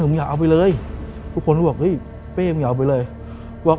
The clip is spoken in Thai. อะมึงอย่าเอาไปเลยทุกทุกคนบอกเฮ้ยเส้นไม่เอาไปเลยบอก